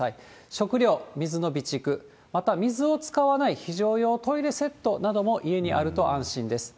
食料、水の備蓄、また水を使わない非常用トイレセットなども家にあると安心です。